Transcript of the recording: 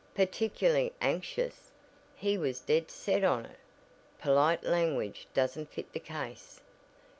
"Particularly anxious? He was dead set on it. Polite language doesn't fit the case."